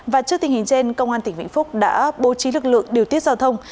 và trước tình hình trên công an tỉnh vĩnh phúc đã bố trí lực lượng điều tiết giao thông